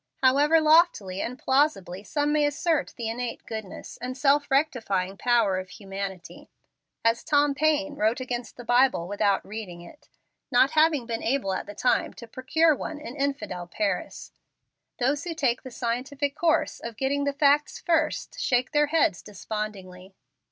However loftily and plausibly some may assert the innate goodness and self rectifying power of humanity, as Tom Paine wrote against the Bible without reading it, not having been able at the time to procure one in infidel Paris, those who take the scientific course of getting the facts first shake their heads despondingly.